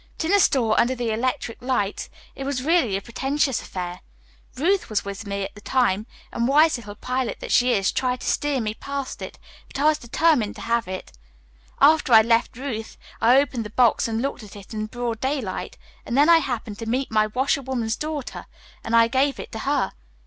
But in the store under the electric lights it was really a pretentious affair. Ruth was with me at the time, and, wise little pilot that she is, tried to steer me past it. But I was determined to have it. After I left Ruth, I opened the box and looked at it in broad daylight, and then I happened to meet my washerwoman's daughter, and I gave it to her.